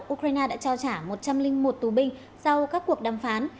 ukraine đã trao trả một trăm linh một tù binh sau các cuộc đàm phán